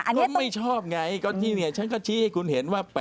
ก็ไม่ชอบไงก็ที่นี่ฉันก็ชี้ให้คุณเห็นว่า